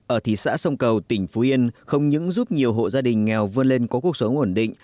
ở thị xã sông cầu tỉnh phú yên không những giúp nhiều hộ gia đình nghèo vươn lên có cuộc sống ổn định